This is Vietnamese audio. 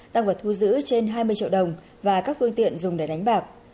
tăng vật thu giữ trên hai mươi triệu đồng và các phương tiện dùng để đánh bạc